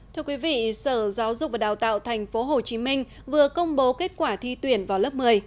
thưa quý vị sở giáo dục và đào tạo tp hcm vừa công bố kết quả thi tuyển vào lớp một mươi